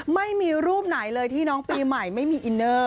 ไม่มีรูปไหนเลยที่น้องปีใหม่ไม่มีอินเนอร์